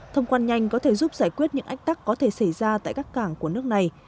thông quan nhanh có thể giúp giải quyết những ách tắc có thể xảy ra tại các cảng của nước này